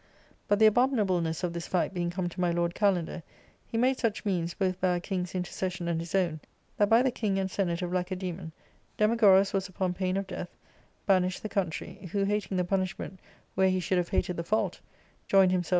But the abominableness of this fact being come to my lord Kalander, he made such means, both by our king's intercession and his own, that by the king and senate of Lacedaempn Demagoras was, upon pain of death, banished the country ; who, hating the punish ment where he should have hated the fault, joined himself ARCADIA.